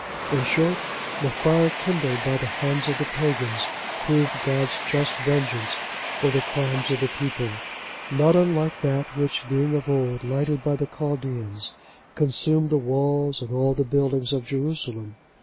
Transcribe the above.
In short, the fire kindled by the hands of the pagans, proved God's just vengeance for the crimes of the people; not unlike that which, being of old lighted by the Chaldeans, consumed the walls and all the buildings of Jerusalem.